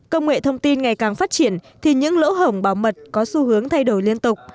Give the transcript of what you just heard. công nghệ thông tin ngày càng phát triển thì những lỗ hổng bảo mật có xu hướng thay đổi liên tục